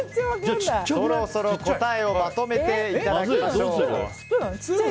そろそろ答えをまとめていただきましょう。